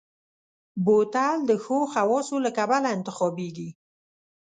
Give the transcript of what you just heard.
بوتل د ښو خواصو له کبله انتخابېږي.